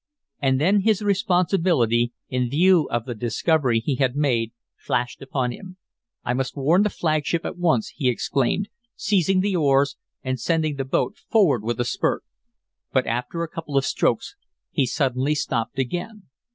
And then his responsibility, in view of the discovery he had made, flashed upon him. "I must warn the flagship at once," he exclaimed, seizing the oars and sending the boat forward with a spurt. But after a couple of strokes he suddenly stopped again.